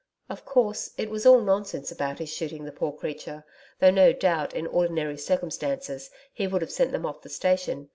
Of course, it was all nonsense about his shooting the poor creature, though no doubt, in ordinary circumstances, he would have sent them off the station.